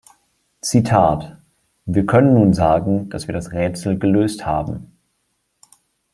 Zitat: „Wir können nun sagen, dass wir das Rätsel gelöst haben.